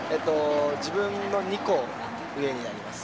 自分の２個上になります。